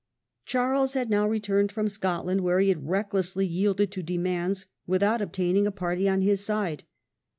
Charles had now returned from Scotland, where he had recklessly yielded to demands without obtaining a party on his side.